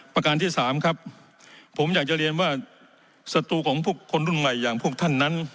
ประการที่สามครับผมอยากจะเรียนว่าศัตรูของพวกคนรุ่นใหม่อย่างพวกท่านนั้น